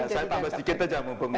saya tambah sedikit aja